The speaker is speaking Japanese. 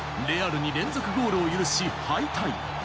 レアルに連続ゴールを許し、敗退。